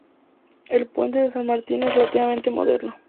El puente de San Martino es relativamente moderno.